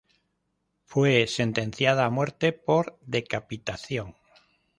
Fue sentenciada a muerte por decapitación.